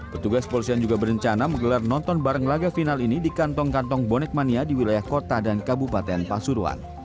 petugas polisian juga berencana menggelar nonton bareng laga final ini di kantong kantong bonek mania di wilayah kota dan kabupaten pasuruan